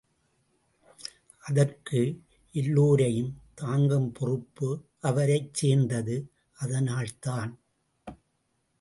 அதற்கு எல்லோரையும் தாங்கும் பொறுப்பு அவரைச் சேர்ந்தது அதனால் தான்.